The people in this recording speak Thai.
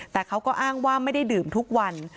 แต่เขาก็อ้างว่าไม่ได้ดื่มทุกวัน